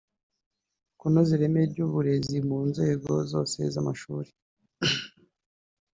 Kunoza ireme ry’uburezi mu nzego zose z’amashuri